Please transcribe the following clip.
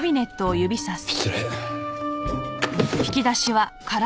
失礼。